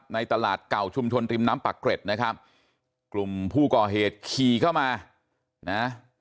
ในตลาดเก่าชุมชนริมน้ำปักเกร็ดนะครับกลุ่มผู้ก่อเหตุขี่เข้ามานะ